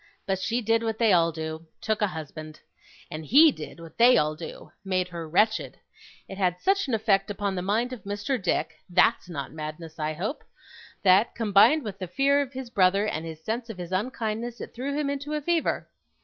But she did what they all do took a husband. And HE did what they all do made her wretched. It had such an effect upon the mind of Mr. Dick (that's not madness, I hope!) that, combined with his fear of his brother, and his sense of his unkindness, it threw him into a fever.